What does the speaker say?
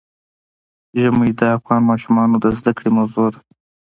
ژمی د افغان ماشومانو د زده کړې موضوع ده.